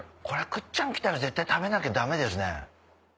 これ倶知安来たら絶対食べなきゃダメですね。